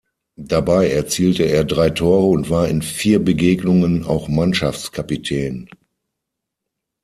Dabei erzielte er drei Tore und war in vier Begegnungen auch Mannschaftskapitän.